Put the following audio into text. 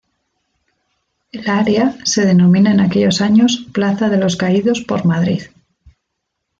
El área se denomina en aquellos años "plaza de los caídos por Madrid".